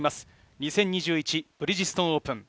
２０２１ブリヂストンオープン。